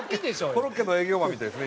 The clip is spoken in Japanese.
コロッケの営業マンみたいですね